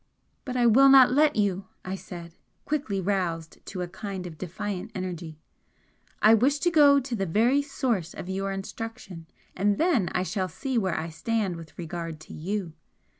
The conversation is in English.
"But I will not let you!" I said, quickly, roused to a kind of defiant energy "I wish to go to the very source of your instruction, and then I shall see where I stand with regard to you!